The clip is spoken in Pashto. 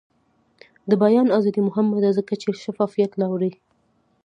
د بیان ازادي مهمه ده ځکه چې شفافیت راولي.